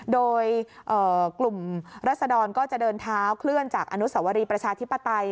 โดยกลุ่มรัศดรก็จะเดินเท้าเคลื่อนจากอนุสวรีประชาธิปไตย